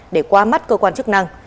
để qua mắt cơ quan chức năng